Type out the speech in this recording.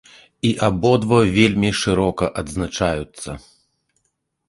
І абодва вельмі шырока адзначаюцца.